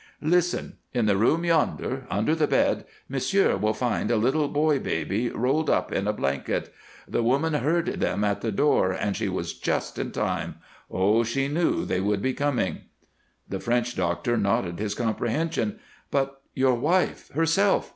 "Listen! In the room yonder, under the bed, m'sieu' will find a little boy baby rolled up in a blanket. The woman heard them at the door, and she was just in time. Oh, she knew they would be coming." The French doctor nodded his comprehension. "But your wife herself?"